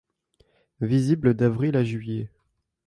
Visible d'avril à juillet.